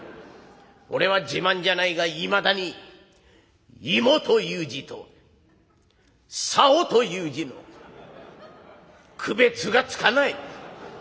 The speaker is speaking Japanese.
俺は自慢じゃないがいまだに『芋』という字と『竿』という字の区別がつかない。